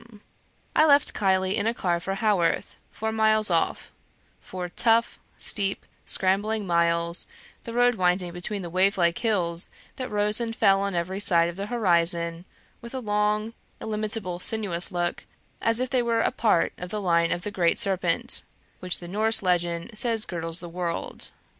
I left Keighley in a car for Haworth, four miles off four tough, steep, scrambling miles, the road winding between the wavelike hills that rose and fell on every side of the horizon, with a long illimitable sinuous look, as if they were a part of the line of the Great Serpent, which the Norse legend says girdles the world.